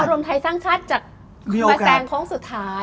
รวมไทยสร้างชาติจะมาแซงโค้งสุดท้าย